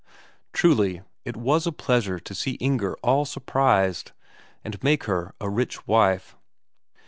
Truly, it was a pleasure to see Inger all surprised, and make her a rich wife.